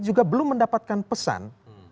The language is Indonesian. juga belum mendapatkan pesan